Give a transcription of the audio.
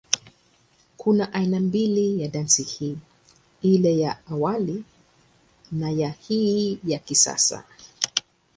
Kuna aina mbili ya dansi hii, ile ya awali na ya hii ya kisasa.